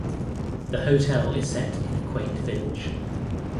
The hotel is set in a quaint village.